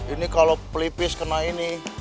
ini kalau pelipis kena ini